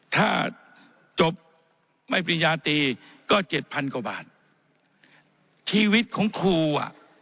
ถ้าจบไม่ปริญญาตีก็เจ็ดพันกว่าบาทชีวิตของครูอ่ะ